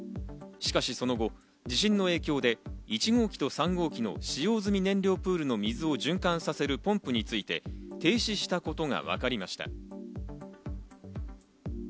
しかしその後、地震の影響で１号機と３号機の使用済み燃料プールの水を循環させるポンプについて停止したことがわかりました。